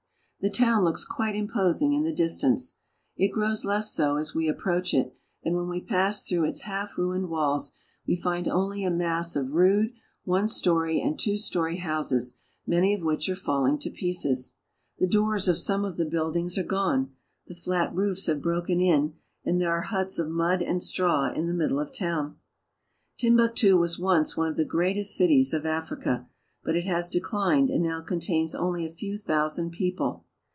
The town looks quite imposing in the distance. It grows less so as we approach it, and when we pass through its half mined walls we find only a mass of rude one story and two story houses, many of which arc falling to pieces. The doors of some of the buildings arc gone, the flat roofs have broken in, and there are huts of mud and straw in tlie middle of the town. Timbuktu was once one of tbe greatest cities of Africa, but it has declined and now contains only a few thousand people.